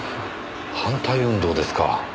反対運動ですか。